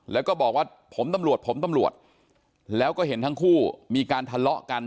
แล้วก็บอกว่าผมตำรวจผมตำรวจแล้วก็เห็นทั้งคู่มีการทะเลาะกัน